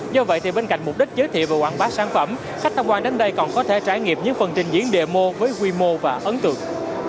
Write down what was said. do vậy thì bên cạnh mục đích giới thiệu và quảng bá sản phẩm khách tham quan đến đây còn có thể trải nghiệm những phần trình diễn demo với quy mô và ấn tượng